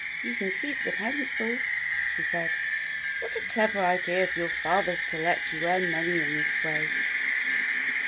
You can keep the pencil," she said. "What a clever idea of your father's to let you earn money in this way."